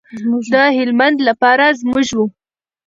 د هلمند لپاره زموږ و.